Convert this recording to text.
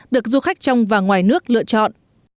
được du khách trong và ngoài nước lựa chọn